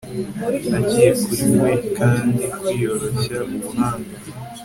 Nagiye kuri we kandi kwiyoroshya ubuhanga